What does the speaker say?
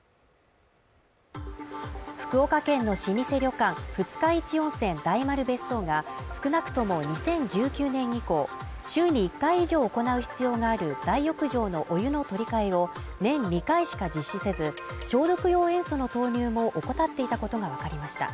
福岡県の老舗旅館二日市温泉大丸別荘が少なくとも２０１９年以降、週に１回以上行う必要がある大浴場のお湯の取り替えを年２回しか実施せず、消毒用塩素の投入も怠っていたことがわかりました。